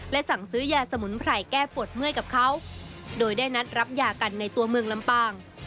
สั่งซื้อยาสมุนไพรแก้ปวดเมื่อยกับเขาโดยได้นัดรับยากันในตัวเมืองลำปาง